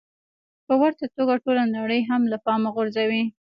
په ورته توګه ټوله نړۍ هم له پامه غورځوي.